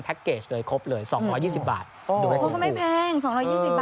แพ็คเกจเลยครบเลยสองร้อยยี่สิบบาทอ๋อก็ไม่แพงสองร้อยยี่สิบบาท